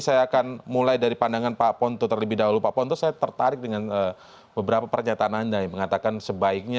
saya akan mulai dari pandangan pak ponto terlebih dahulu pak ponto saya tertarik dengan beberapa pernyataan anda yang mengatakan sebaiknya